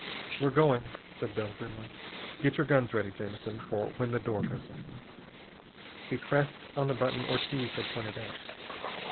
"We're going," said Bell grimly. "Get your guns ready, Jamison, for when the door goes up." He pressed on the button Ortiz had pointed out.